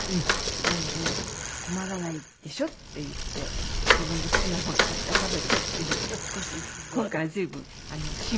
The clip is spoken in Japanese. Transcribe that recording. なので困らないでしょ？って言って自分で好きなもの買って食べてって少し今回は随分進歩しました。